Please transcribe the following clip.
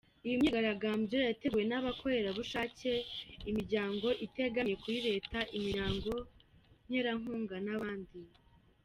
Iyi myigaragambyo yateguwe n’abakorerabushake, imiryango itegamiye kuri leta, imiryango nterankunga n’abandi.